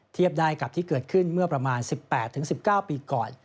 เทียบได้กับที่เกิดขึ้นเมื่อประมาณ๑๘๑๙ปีก่อน